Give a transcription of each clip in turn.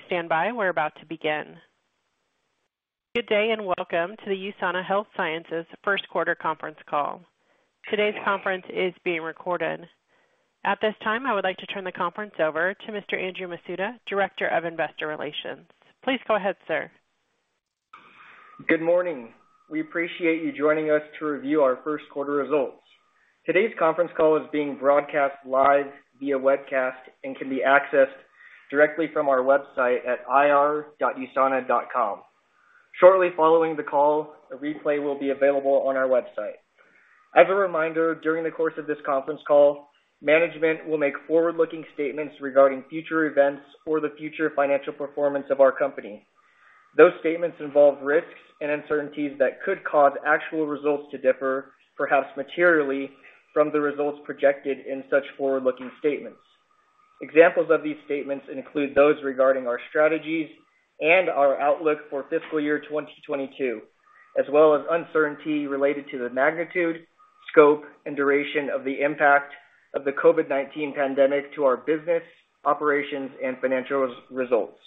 Please stand by. We're about to begin. Good day, and welcome to the USANA Health Sciences first quarter conference call. Today's conference is being recorded. At this time, I would like to turn the conference over to Mr. Andrew Masuda, Director of Investor Relations. Please go ahead, sir. Good morning. We appreciate you joining us to review our first quarter results. Today's conference call is being broadcast live via webcast and can be accessed directly from our website at ir.usana.com. Shortly following the call, a replay will be available on our website. As a reminder, during the course of this conference call, management will make forward-looking statements regarding future events or the future financial performance of our company. Those statements involve risks and uncertainties that could cause actual results to differ, perhaps materially, from the results projected in such forward-looking statements. Examples of these statements include those regarding our strategies and our outlook for fiscal year 2022, as well as uncertainty related to the magnitude, scope, and duration of the impact of the COVID-19 pandemic to our business, operations, and financial results.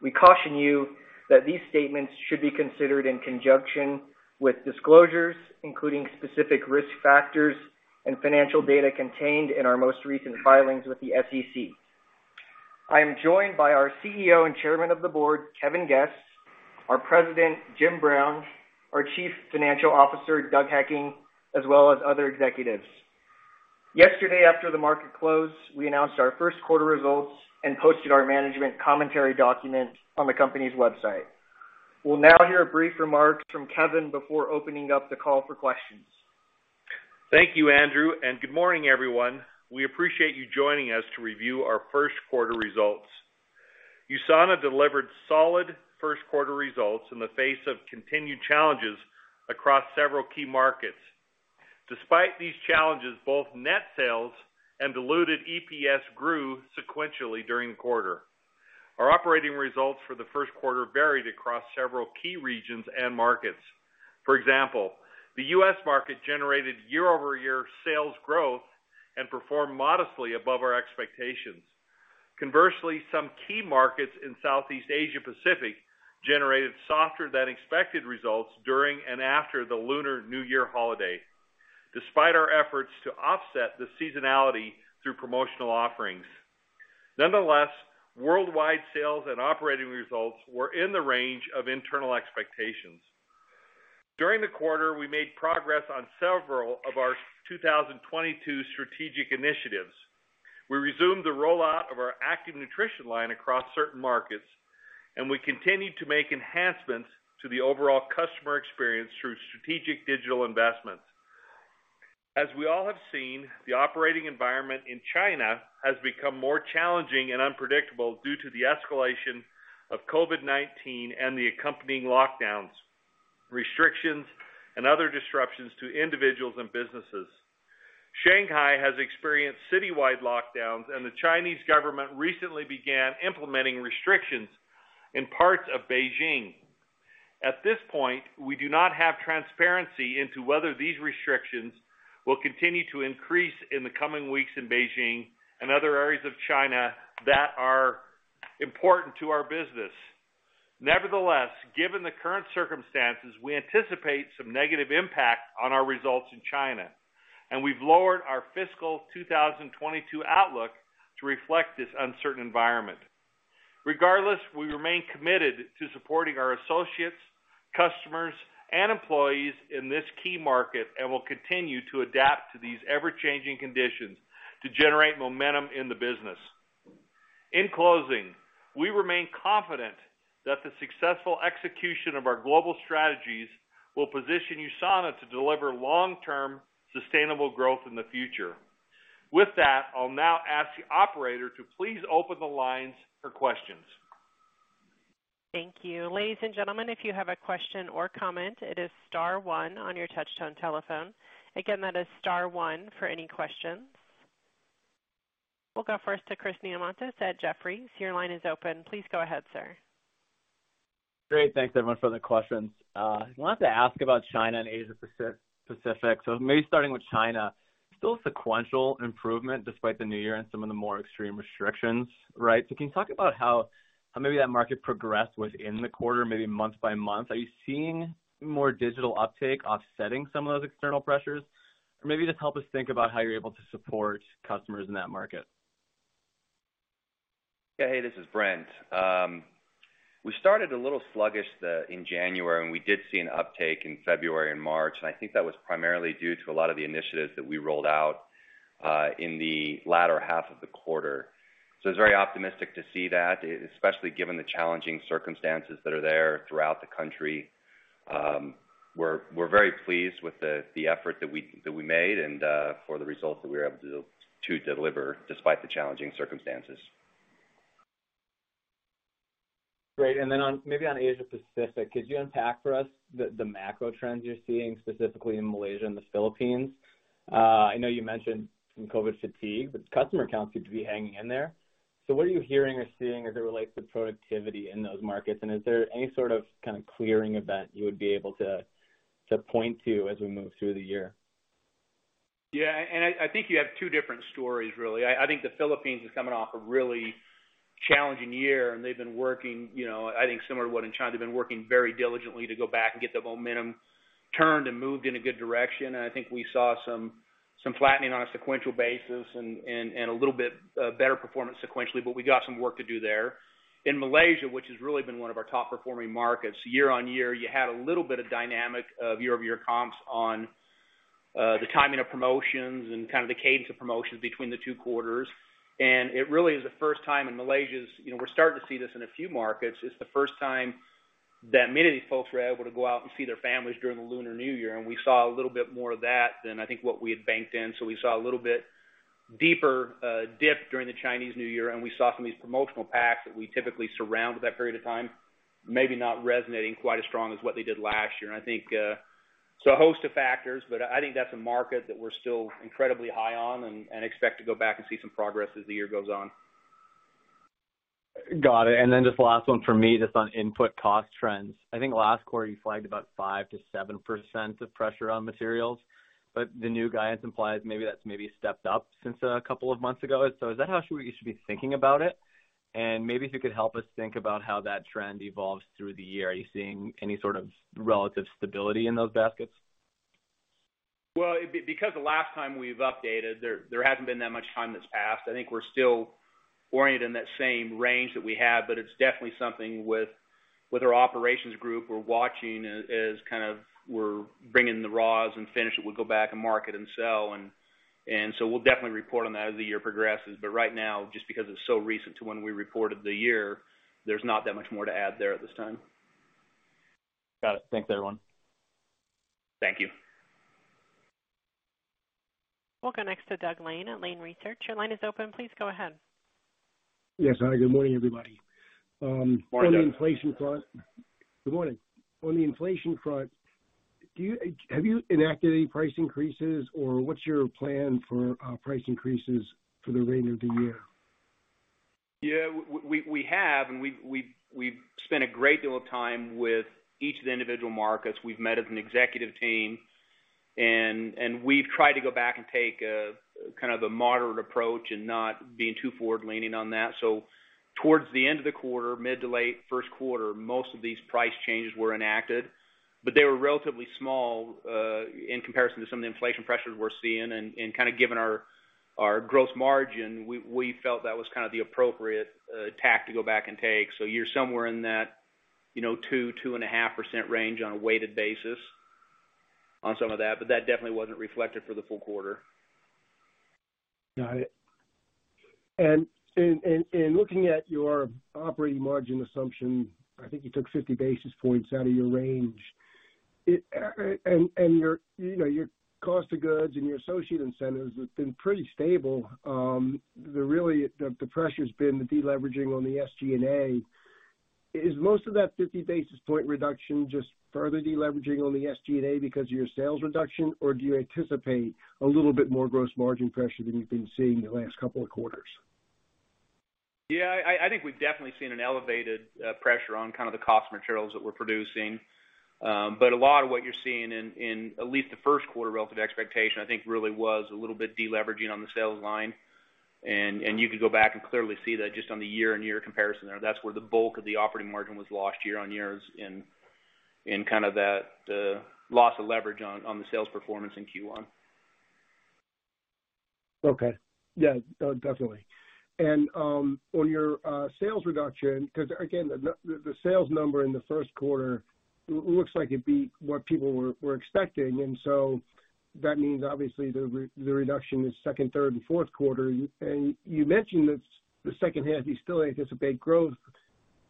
We caution you that these statements should be considered in conjunction with disclosures, including specific risk factors and financial data contained in our most recent filings with the SEC. I am joined by our CEO and Chairman of the Board, Kevin Guest, our President, Jim Brown, our Chief Financial Officer, Doug Hekking, as well as other executives. Yesterday, after the market closed, we announced our first quarter results and posted our management commentary document on the company's website. We'll now hear a brief remark from Kevin before opening up the call for questions. Thank you, Andrew, and good morning, everyone. We appreciate you joining us to review our first quarter results. USANA delivered solid first quarter results in the face of continued challenges across several key markets. Despite these challenges, both net sales and diluted EPS grew sequentially during the quarter. Our operating results for the first quarter varied across several key regions and markets. For example, the U.S. market generated year-over-year sales growth and performed modestly above our expectations. Conversely, some key markets in Southeast Asia Pacific generated softer than expected results during and after the Lunar New Year holiday, despite our efforts to offset the seasonality through promotional offerings. Nonetheless, worldwide sales and operating results were in the range of internal expectations. During the quarter, we made progress on several of our 2022 strategic initiatives. We resumed the rollout of our Active Nutrition line across certain markets, and we continued to make enhancements to the overall customer experience through strategic digital investments. As we all have seen, the operating environment in China has become more challenging and unpredictable due to the escalation of COVID-19 and the accompanying lockdowns, restrictions, and other disruptions to individuals and businesses. Shanghai has experienced citywide lockdowns, and the Chinese government recently began implementing restrictions in parts of Beijing. At this point, we do not have transparency into whether these restrictions will continue to increase in the coming weeks in Beijing and other areas of China that are important to our business. Nevertheless, given the current circumstances, we anticipate some negative impact on our results in China, and we've lowered our fiscal 2022 outlook to reflect this uncertain environment. Regardless, we remain committed to supporting our associates, customers, and employees in this key market and will continue to adapt to these ever-changing conditions to generate momentum in the business. In closing, we remain confident that the successful execution of our global strategies will position USANA to deliver long-term sustainable growth in the future. With that, I'll now ask the operator to please open the lines for questions. Thank you. Ladies and gentlemen, if you have a question or comment, it is star one on your touchtone telephone. Again, that is star one for any questions. We'll go first to Chris Neamonitis at Jefferies. Your line is open. Please go ahead, sir. Great. Thanks, everyone, for the questions. I wanted to ask about China and Asia Pacific. Maybe starting with China. Still sequential improvement despite the New Year and some of the more extreme restrictions, right? Can you talk about how maybe that market progressed within the quarter, maybe month by month? Are you seeing more digital uptake offsetting some of those external pressures? Or maybe just help us think about how you're able to support customers in that market. Yeah. Hey, this is Brent. We started a little sluggish in January, and we did see an uptake in February and March, and I think that was primarily due to a lot of the initiatives that we rolled out in the latter half of the quarter. We're very optimistic to see that, especially given the challenging circumstances that are there throughout the country. We're very pleased with the effort that we made and for the results that we were able to deliver despite the challenging circumstances. Great. Maybe on Asia Pacific, could you unpack for us the macro trends you're seeing specifically in Malaysia and the Philippines? I know you mentioned some COVID fatigue, but customer counts seem to be hanging in there. What are you hearing or seeing as it relates to productivity in those markets? Is there any sort of, kind of, clearing event you would be able to to point to as we move through the year? Yeah, I think you have two different stories really. I think the Philippines is coming off a really challenging year, and they've been working, you know, I think similar to what in China, they've been working very diligently to go back and get the momentum turned and moved in a good direction. I think we saw some flattening on a sequential basis and a little bit better performance sequentially, but we got some work to do there. In Malaysia, which has really been one of our top performing markets, year-over-year, you had a little bit of dynamic of year-over-year comps on the timing of promotions and kind of the cadence of promotions between the two quarters. It really is the first time in Malaysia's. You know, we're starting to see this in a few markets. It's the first time that many of these folks were able to go out and see their families during the Lunar New Year, and we saw a little bit more of that than I think what we had banked in. We saw a little bit deeper dip during the Chinese New Year, and we saw some of these promotional packs that we typically surround with that period of time, maybe not resonating quite as strong as what they did last year. I think a host of factors, but I think that's a market that we're still incredibly high on and expect to go back and see some progress as the year goes on. Got it. Just the last one for me, just on input cost trends. I think last quarter you flagged about 5%-7% of pressure on materials, but the new guidance implies maybe that's stepped up since a couple of months ago. Is that how we should be thinking about it? Maybe if you could help us think about how that trend evolves through the year. Are you seeing any sort of relative stability in those baskets? Well, because the last time we've updated, there hasn't been that much time that's passed. I think we're still oriented in that same range that we had, but it's definitely something with our operations group we're watching as kind of we're bringing the raws and finish it, we go back and market and sell and so we'll definitely report on that as the year progresses. Right now, just because it's so recent to when we reported the year, there's not that much more to add there at this time. Got it. Thanks, everyone. Thank you. We'll go next to Doug Lane at Lane Research. Your line is open. Please go ahead. Yes. Hi, good morning, everybody. Morning, Doug. Good morning. On the inflation front, have you enacted any price increases, or what's your plan for price increases for the remainder of the year? We have spent a great deal of time with each of the individual markets. We've met as an executive team, and we've tried to go back and take a kind of moderate approach and not being too forward-leaning on that. Towards the end of the quarter, mid to late first quarter, most of these price changes were enacted. They were relatively small in comparison to some of the inflation pressures we're seeing. Kind of given our gross margin, we felt that was kind of the appropriate tack to go back and take. You're somewhere in that, you know, 2%-2.5% range on a weighted basis on some of that, but that definitely wasn't reflected for the full quarter. Got it. Looking at your operating margin assumption, I think you took 50 basis points out of your range. Your, you know, your cost of goods and your associate incentives have been pretty stable. The pressure's been the deleveraging on the SG&A. Is most of that 50 basis point reduction just further deleveraging on the SG&A because of your sales reduction, or do you anticipate a little bit more gross margin pressure than you've been seeing in the last couple of quarters? Yeah, I think we've definitely seen an elevated pressure on kind of the cost of materials that we're producing. A lot of what you're seeing in at least the first quarter relative expectation, I think really was a little bit deleveraging on the sales line. You could go back and clearly see that just on the year-on-year comparison there. That's where the bulk of the operating margin was lost year-on-year in kind of that loss of leverage on the sales performance in Q1. Okay. Yeah, definitely. On your sales reduction, because again, the sales number in the first quarter looks like it beat what people were expecting, and so that means obviously the reduction in second, third and fourth quarter. You mentioned that the second half, you still anticipate growth,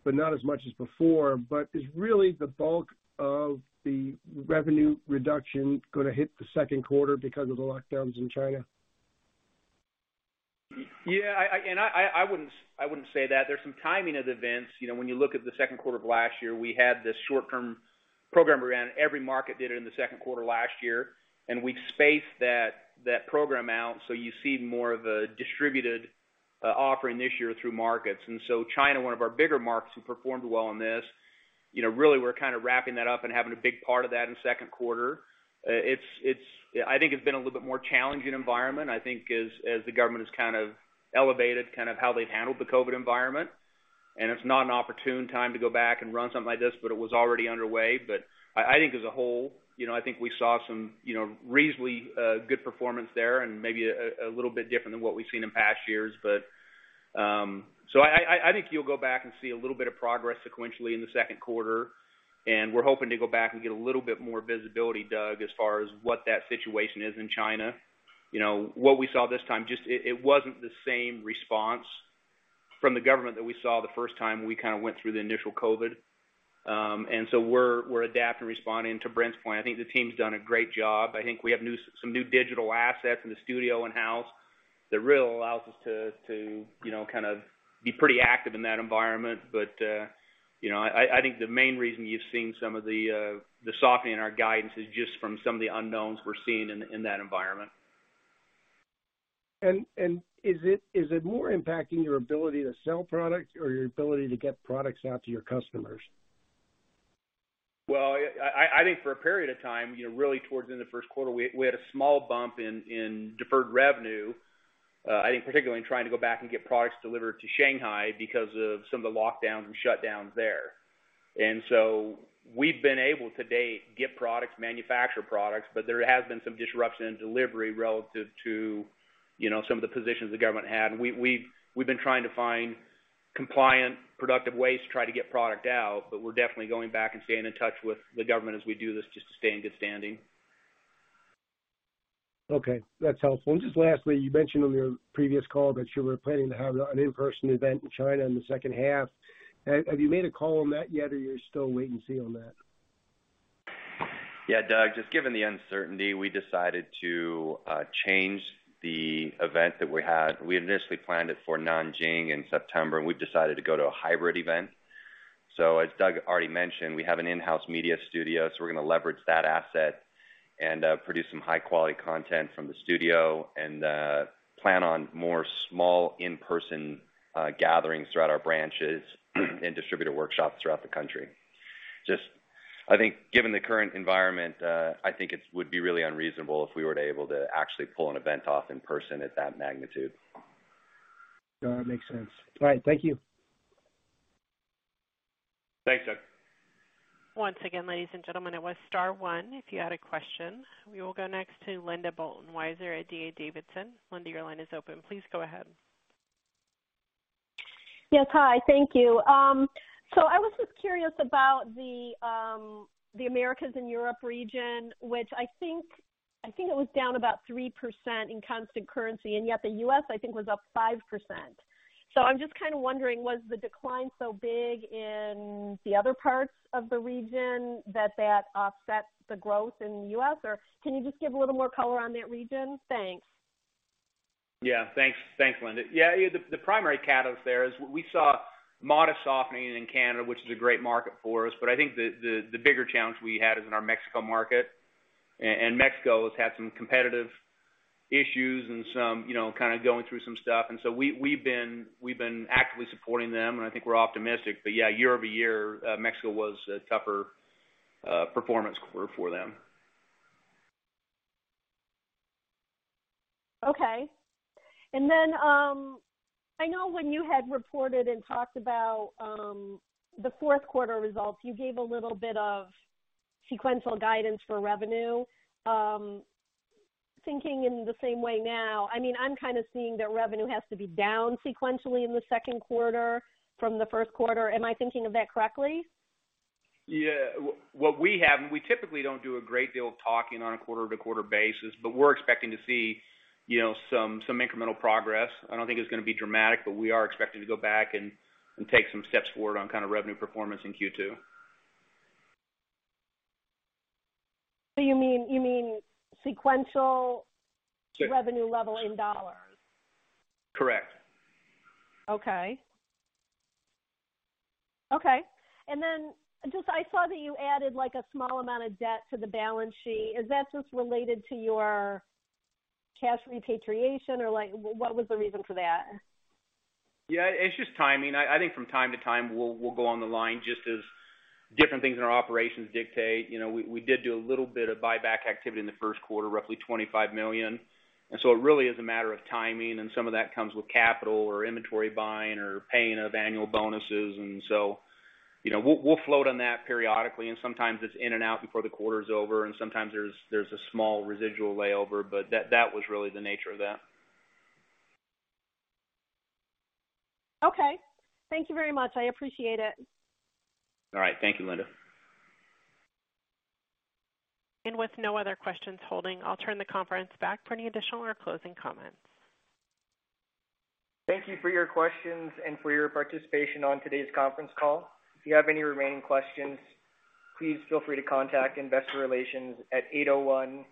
but not as much as before. Is really the bulk of the revenue reduction gonna hit the second quarter because of the lockdowns in China? Yeah, I wouldn't say that. There's some timing of events. You know, when you look at the second quarter of last year, we had this short-term program we ran. Every market did it in the second quarter last year, and we've spaced that program out so you see more of a distributed offering this year through markets. China, one of our bigger markets, who performed well on this, you know, really we're kind of wrapping that up and having a big part of that in second quarter. It's been a little bit more challenging environment, I think as the government has kind of elevated kind of how they've handled the COVID environment. It's not an opportune time to go back and run something like this, but it was already underway. I think as a whole, you know, I think we saw some, you know, reasonably good performance there and maybe a little bit different than what we've seen in past years. I think you'll go back and see a little bit of progress sequentially in the second quarter, and we're hoping to go back and get a little bit more visibility, Doug, as far as what that situation is in China. You know, what we saw this time, just it wasn't the same response from the government that we saw the first time when we kind of went through the initial COVID. We're adapting, responding. To Brent's point, I think the team's done a great job. I think we have some new digital assets in the studio in-house that really allows us to, you know, kind of be pretty active in that environment. I think the main reason you've seen some of the softening in our guidance is just from some of the unknowns we're seeing in that environment. Is it more impacting your ability to sell product or your ability to get products out to your customers? Well, I think for a period of time, you know, really towards the end of the first quarter, we had a small bump in deferred revenue, I think particularly in trying to go back and get products delivered to Shanghai because of some of the lockdowns and shutdowns there. We've been able to date, get products, manufacture products, but there has been some disruption in delivery relative to, you know, some of the positions the government had. We've been trying to find compliant, productive ways to try to get product out, but we're definitely going back and staying in touch with the government as we do this just to stay in good standing. Okay. That's helpful. Just lastly, you mentioned on your previous call that you were planning to have an in-person event in China in the second half. Have you made a call on that yet or you're still wait and see on that? Yeah, Doug, just given the uncertainty, we decided to change the event that we had. We initially planned it for Nanjing in September, and we've decided to go to a hybrid event. As Doug already mentioned, we have an in-house media studio, so we're gonna leverage that asset and produce some high quality content from the studio and plan on more small in-person gatherings throughout our branches and distributor workshops throughout the country. Just, I think given the current environment, I think it would be really unreasonable if we were to be able to actually pull an event off in person at that magnitude. No, it makes sense. All right. Thank you. Thanks, Doug. Once again, ladies and gentlemen, it's star one, if you had a question. We will go next to Linda Bolton Weiser at D.A. Davidson. Linda, your line is open. Please go ahead. Yes. Hi. Thank you. I was just curious about the Americas and Europe region, which I think it was down about 3% in constant currency, and yet the U.S., I think, was up 5%. I'm just kinda wondering, was the decline so big in the other parts of the region that that offsets the growth in the U.S., or can you just give a little more color on that region? Thanks. Yeah. Thanks, Linda. Yeah. The primary catalyst there is we saw modest softening in Canada, which is a great market for us. I think the bigger challenge we had is in our Mexico market. Mexico has had some competitive issues and some, you know, kinda going through some stuff. We've been actively supporting them, and I think we're optimistic. Yeah, year-over-year, Mexico was a tougher performance quarter for them. Okay. I know when you had reported and talked about the fourth quarter results, you gave a little bit of sequential guidance for revenue. Thinking in the same way now, I mean, I'm kind of seeing that revenue has to be down sequentially in the second quarter from the first quarter. Am I thinking of that correctly? Yeah. What we have, and we typically don't do a great deal of talking on a quarter-to-quarter basis, but we're expecting to see, you know, some incremental progress. I don't think it's gonna be dramatic, but we are expecting to go back and take some steps forward on kind of revenue performance in Q2. You mean sequential. Yes. Revenue level in dollars? Correct. Okay. Just I saw that you added, like, a small amount of debt to the balance sheet. Is that just related to your cash repatriation, or, like, what was the reason for that? Yeah. It's just timing. I think from time to time, we'll go on the line just as different things in our operations dictate. You know, we did do a little bit of buyback activity in the first quarter, roughly $25 million. It really is a matter of timing, and some of that comes with capital or inventory buying or paying of annual bonuses. You know, we'll float on that periodically, and sometimes it's in and out before the quarter is over, and sometimes there's a small residual layover. That was really the nature of that. Okay. Thank you very much. I appreciate it. All right. Thank you, Linda. With no other questions holding, I'll turn the conference back for any additional or closing comments. Thank you for your questions and for your participation on today's conference call. If you have any remaining questions, please feel free to contact Investor Relations at 801-.